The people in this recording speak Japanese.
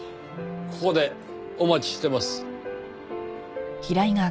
ここでお待ちしてます。